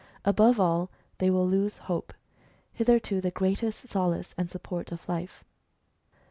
Above all, they will lose hope, hitherto the greatest solace and support of life.